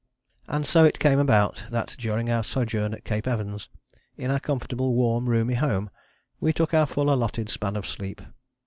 And so it came about that during our sojourn at Cape Evans, in our comfortable warm roomy home, we took our full allotted span of sleep.